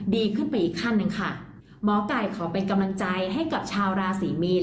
ดีขึ้นไปอีกขั้นหนึ่งค่ะหมอไก่ขอเป็นกำลังใจให้กับชาวราศีมีน